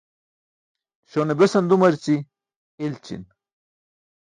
Śone besan dumarci? İlći̇n.